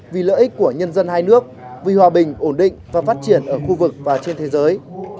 vì lợi ích của nhân dân hai nước vì hòa bình ổn định và phát triển ở khu vực và trên thế giới